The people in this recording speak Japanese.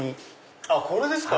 あっこれですか！